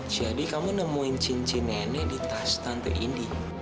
jadi kamu nemuin cincin nenek di tas tante indy